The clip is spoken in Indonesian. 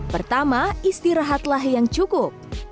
pertama istirahatlah yang cukup